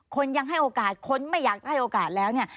ยังให้โอกาสคนไม่อยากจะให้โอกาสแล้วเนี่ย